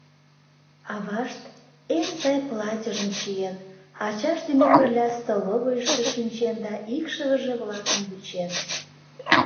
Авашт, эн сай платьыжым чиен, ачашт дене пырля столовыйышто шинчен да икшывыже-влакым вучен.